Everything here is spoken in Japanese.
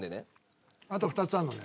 あと２つあるのね？